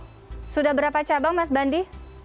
sudah berapa cabang mas bandi